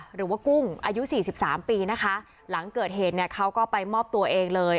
หรือว่ากุ้งอายุสี่สิบสามปีนะคะหลังเกิดเหตุเนี่ยเขาก็ไปมอบตัวเองเลย